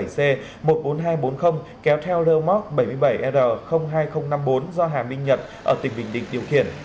bảy c một mươi bốn nghìn hai trăm bốn mươi kéo theo lơ móc bảy mươi bảy r hai nghìn năm mươi bốn do hà minh nhật ở tỉnh bình định điều khiển